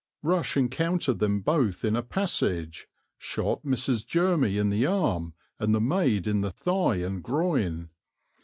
Rush encountered them both in a passage, shot Mrs. Jermy in the arm and the maid in the thigh and groin.